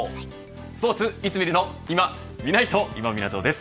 スポーツいつ見るのいまみないと今湊です。